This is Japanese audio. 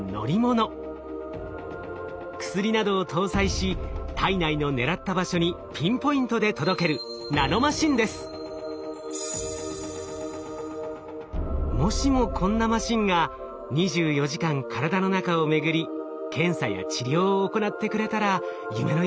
薬などを搭載し体内の狙った場所にピンポイントで届けるもしもこんなマシンが２４時間体の中を巡り検査や治療を行ってくれたら夢のようですよね。